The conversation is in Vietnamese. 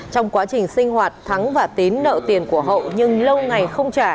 trong quá trình sinh hoạt thắng và tín nợ tiền của hậu nhưng lâu ngày không trả